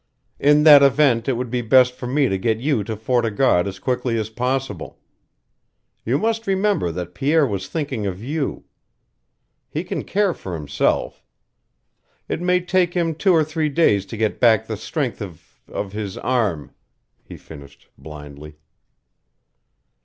"In that event it would be best for me to get you to Fort o' God as quickly as possible. You must remember that Pierre was thinking of you. He can care for himself. It may take him two or three days to get back the strength of of his arm," he finished, blindly.